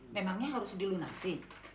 memangnya harus dilunasi